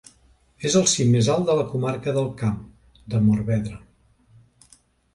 És el cim més alt de la comarca del Camp de Morvedre.